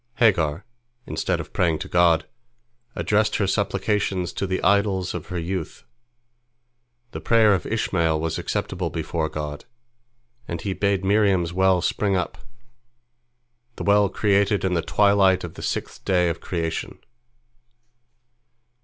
Hagar, instead of praying to God, addressed her supplications to the idols of her youth. The prayer of Ishmael was acceptable before God, and He bade Miriam's well spring up, the well created in the twilight of the sixth day of creation.